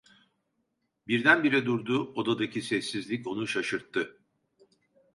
Birdenbire durdu; odadaki sessizlik onu şaşırttı.